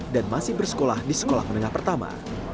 dan masih bersekolah di sekolah menengah pertama